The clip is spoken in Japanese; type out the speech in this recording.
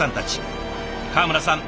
川村さん